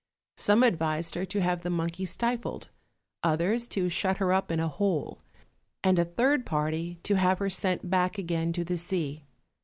Some advised her to have the monkey stifled; others to shut her up in a hole, and a third party to have her sent back again to the sea.